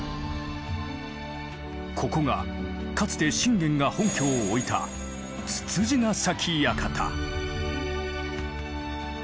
ここがかつて信玄が本拠を置いた躑躅ヶ崎館。